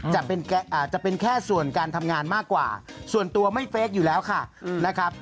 จะเป็นแค่ส่วนการทำงานมากกว่าส่วนตัวไม่เฟคอยู่แล้วค่ะนะครับ